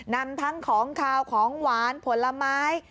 นำทั้งของขาวของหวานผลไม้